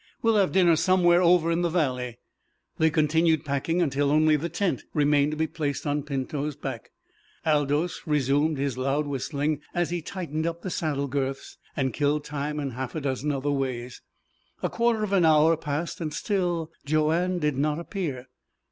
We'll have dinner somewhere over in the valley." They continued packing until only the tent remained to be placed on Pinto's back. Aldous resumed his loud whistling as he tightened up the saddle girths, and killed time in half a dozen other ways. A quarter of an hour passed. Still Joanne did not appear.